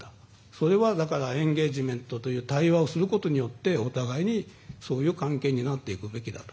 それは、エンゲージメントという対話をすることによってお互いにそういう関係になっていくべきだろうと。